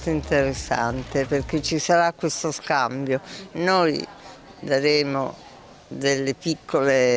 ini akan sangat menarik